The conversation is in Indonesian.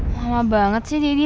mama banget sih didi